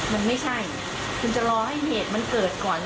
มันไม่ใช่คุณจะรอให้เหตุมันเกิดก่อน